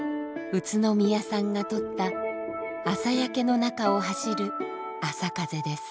宇都宮さんが撮った朝焼けの中を走るあさかぜです。